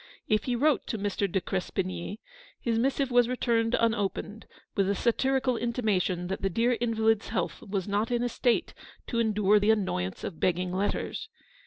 If he wrote to Mr. de Crespigny, his missive was returned unopened, with a satirical intimation that the dear invalid's health was not in a state to endure the annoyance of begging letters.